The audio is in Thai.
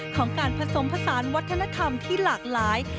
ของการผสมผสานวัฒนธรรมที่หลากหลาย